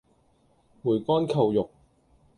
梅干扣肉